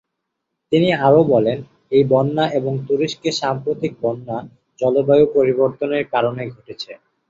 তিনি আরও বলেন, এই বন্যা এবং তুরস্কে সাম্প্রতিক বন্যা জলবায়ু পরিবর্তনের কারণে ঘটেছে।